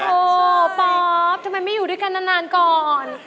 โอ้โหป๊อปทำไมไม่อยู่ด้วยกันนานก่อน